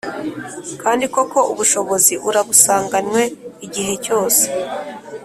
Kandi koko, ubushobozi urabusanganywe igihe cyose.